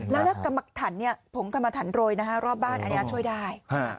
แล้วถันผมทำมาถันโรยรอบบ้านอันนี้ช่วยได้